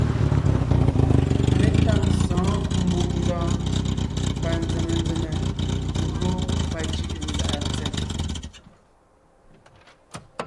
Mé táŋ sɔ̌ɔn Mbùʼndɔɔn panzèmenzème gÿó pacʉ̀ʼʉnzàʼa tsem.